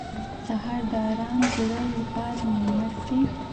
سهار د ارام زړه لپاره نعمت دی.